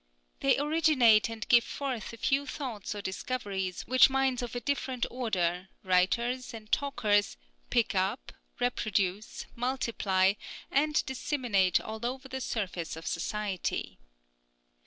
They originate and give forth a few thoughts or discoveries, which minds of a different order, writers and talkers, pick up, reproduce, multiply, and disseminate all over the surface of society.